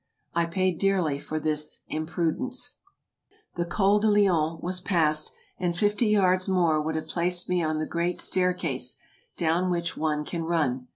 I paid dearly for the imprudence. The Col du Lion was passed, and fifty yards more would have placed me on the great Staircase, down which one can run.